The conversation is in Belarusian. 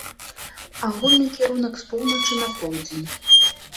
Агульны кірунак з поўначы на поўдзень.